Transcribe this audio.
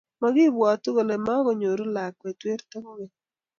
Makibwotu kole mukunyoru lakwet werto kukeny